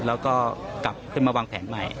แล้วก็กลับขึ้นมาวางแผนใหม่